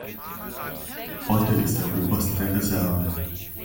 Heute ist er Oberst der Reserve.